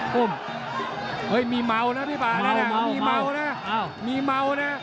เฮ้ยมีเมานะพี่ป่ามีเมานะมีเมานะ